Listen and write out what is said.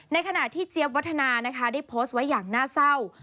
ขณะที่เจี๊ยบวัฒนานะคะได้โพสต์ไว้อย่างน่าเศร้า